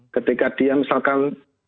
ketika dia misalkan